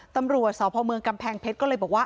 ตำรวจสพเมืองกำแพงเพชรก็เลยบอกว่า